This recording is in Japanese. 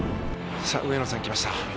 上野さん来ました。